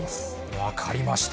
分かりました。